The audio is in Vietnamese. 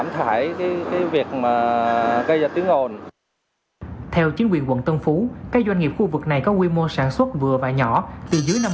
theo chính quyền quận tân phú các doanh nghiệp khu vực này có quy mô sản xuất vừa và nhỏ từ dưới năm mươi